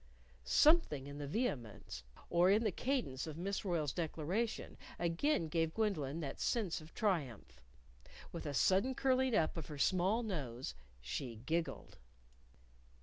_" Something in the vehemence, or in the cadence, of Miss Royle's declaration again gave Gwendolyn that sense of triumph. With a sudden curling up of her small nose, she giggled.